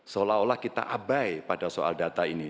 seolah olah kita abai pada soal data ini